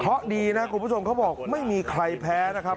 เพราะดีนะคุณผู้ชมเขาบอกไม่มีใครแพ้นะครับ